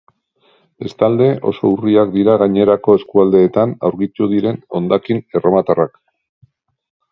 Bestalde, oso urriak dira gainerako eskualdeetan aurkitu diren hondakin erromatarrak.